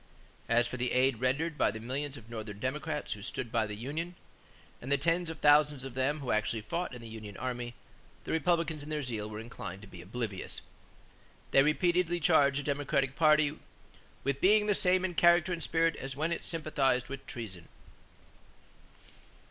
As for the aid rendered by the millions of Northern Democrats who stood by the union and the tens of thousands of them who actually fought in the union army, the Republicans in their zeal were inclined to be oblivious. They repeatedly charged the Democratic party "with being the same in character and spirit as when it sympathized with treason."